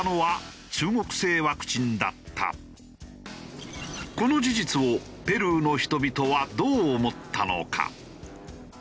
打ったのはこの事実をペルーの人々はどう思ったのか？